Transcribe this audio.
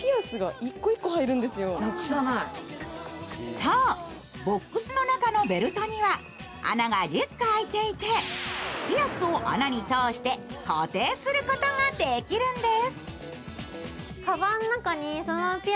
そう、ボックスの中のベルトには穴が１０個開いていて、ピアスを穴に通して固定することができるんです。